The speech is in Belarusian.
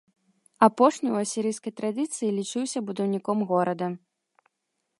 Апошні ў асірыйскай традыцыі лічыўся будаўніком горада.